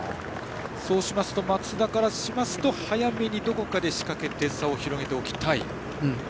そうしますと松田からしますと早めにどこかで仕掛けて差を広げておきたい。